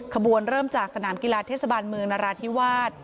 ขบวนเริ่มจากสนามกีฬาเทศบาลเมืองนราธิวาส